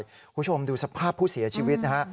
คุณผู้ชมดูสภาพผู้เสียชีวิตนะฮะ